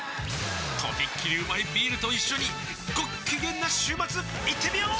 とびっきりうまいビールと一緒にごっきげんな週末いってみよー！